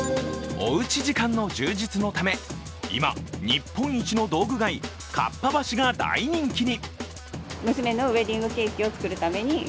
おうち時間の充実のため、今、日本一の道具街、かっぱ橋が大人気に。